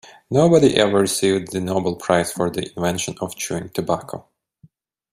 Nobody ever received the Nobel prize for the invention of chewing tobacco.